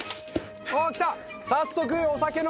早速。